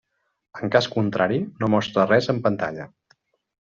En cas contrari no mostra res en pantalla.